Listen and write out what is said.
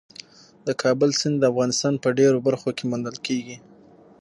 د کابل سیند د افغانستان په ډېرو برخو کې موندل کېږي.